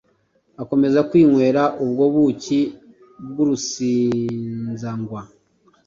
akomeza kwinywera ubwo buki bw’urusinzagwa,